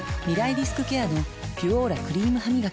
リスクケアの「ピュオーラ」クリームハミガキ